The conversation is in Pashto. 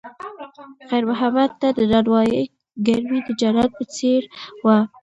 خیر محمد ته د نانوایۍ ګرمي د جنت په څېر وه.